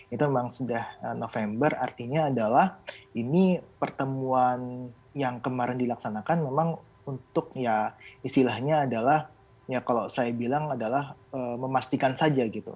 itu memang sudah november artinya adalah ini pertemuan yang kemarin dilaksanakan memang untuk ya istilahnya adalah ya kalau saya bilang adalah memastikan saja gitu